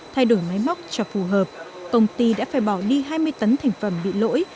thay đổi máy móc cho phù hợp công ty đã phải bỏ đi hai mươi tấn thành phẩm bị lỗi